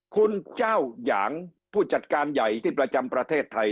คุณเจ้าหยางผู้จัดการใหญ่ที่ประจำประเทศไทย